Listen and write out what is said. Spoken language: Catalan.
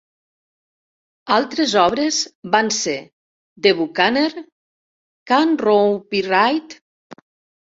Altres obres van ser "The Buccaneer", "Can Wrong Be Right?